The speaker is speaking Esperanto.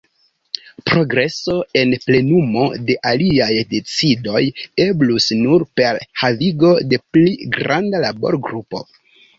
Progreso en plenumo de aliaj decidoj eblus nur per havigo de pli granda laborgrupo.